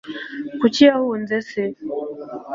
kuki yahunze se